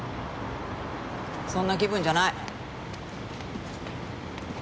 そんな気分じゃない。